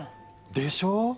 でしょう？